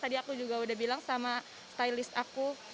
tadi aku juga udah bilang sama stylist aku